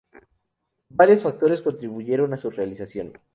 Varios factores contribuyeron a su realización.